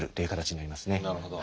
なるほど。